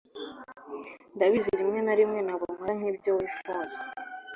ndabizi rimwe na rimwe ntabwo nkora nkibyo wifuza